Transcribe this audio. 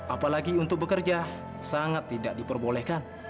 apalagi untuk bekerja sangat tidak diperbolehkan